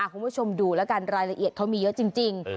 คุณผู้ชมดูแล้วกันรายละเอียดเขามีเยอะจริง